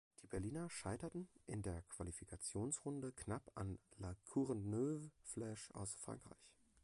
Die Berliner scheiterten in der Qualifikationsrunde knapp an La Courneuve Flash aus Frankreich.